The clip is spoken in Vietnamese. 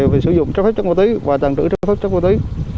về sử dụng trái phép chất vô tí và tàn trữ trái phép chất vô tí